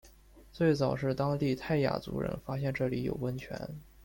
最早是当地泰雅族人发现这里有温泉。